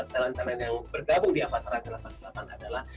talent talent yang bergabung di avatar delapan puluh delapan adalah